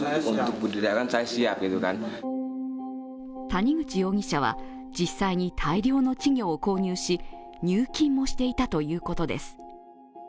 谷口容疑者は実際に大量の稚魚を購入し入金もしていたということです。